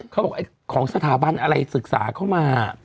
เขาบอกของสถาบันอะไรศึกษาเข้ามา